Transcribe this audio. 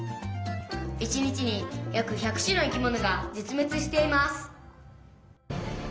「一日に約１００種の生き物が絶滅しています」。